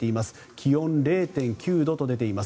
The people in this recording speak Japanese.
気温０．９度と出ています。